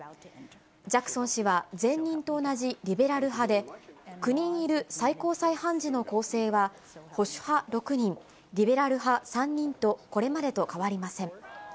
ジャクソン氏は前任と同じリベラル派で、９人いる最高裁判事の構成は、保守派６人、リベラル派３人と、これまでと変わりません。